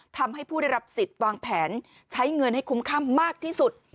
ทำให้ผู้ได้รับสิทธิ์วางแผนใช้เงินให้คุ้มค่ำมากที่สุด